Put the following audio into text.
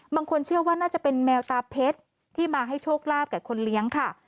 บางคนเชื่อว่าน่าจะเป็นแมวตาเพชรที่มาให้โชคลาภแก่คนเลี้ยงค่ะ